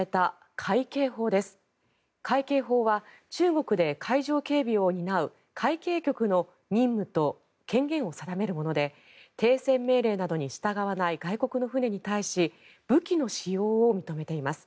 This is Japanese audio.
海警法は中国で海上警備を担う海警局の任務と権限を定めるもので停船命令などに従わない外国の船に対し武器の使用を認めています。